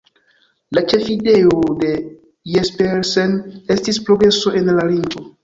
La ĉefideo de Jespersen estis progreso en la lingvo.